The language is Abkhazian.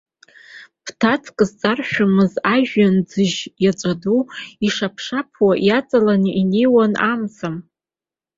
Ԥҭацк зҵаршәымыз ажәҩанӡыжь иаҵәа ду, ишаԥшаԥуа иаҵаланы инеиуан амза.